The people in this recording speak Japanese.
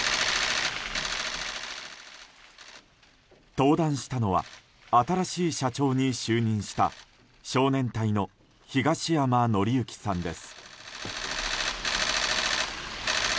登壇したのは新しい社長に就任した少年隊の東山紀之さんです。